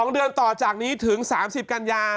๒เดือนต่อจากนี้ถึง๓๐กันยา